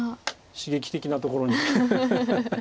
刺激的なところに。